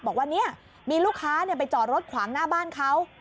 บอกว่าเนี่ยมีลูกค้าไปจอดรถขวางหน้าบ้านเขา